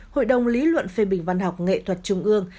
hội đồng lý luận phê bình văn học nghệ thuật trung ương